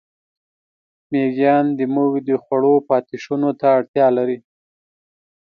مېږیان زموږ د خوړو پاتېشونو ته اړتیا لري.